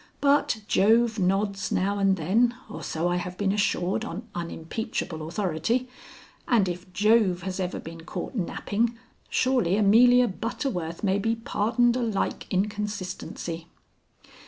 But Jove nods now and then or so I have been assured on unimpeachable authority, and if Jove has ever been caught napping, surely Amelia Butterworth may be pardoned a like inconsistency.